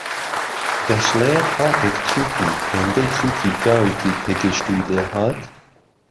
دەشڵێ کاتێک چووکی هێندەی چووکی پیاوێکی پێگەیشتووی لێهات